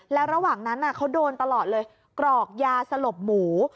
แล้วระหว่างนั้นเขาโดนตลอดเลยกรอกยาสลบหมู